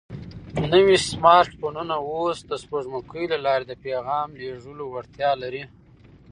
نوي سمارټ فونونه اوس د سپوږمکیو له لارې د پیغام لېږلو وړتیا لري.